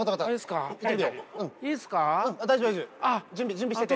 準備してて。